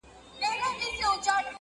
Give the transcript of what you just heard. o کار چي بې استا سي، بې معنا سي!